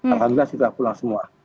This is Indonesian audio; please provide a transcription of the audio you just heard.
alhamdulillah sudah pulang semua